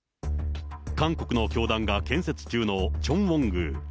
韓国の教団が建設中のチョンウォン宮。